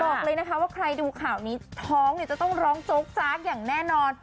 บอกเลยนะคะว่าใครดูข่าวนี้ท้องเนี่ยจะต้องร้องโจ๊กจากอย่างแน่นอน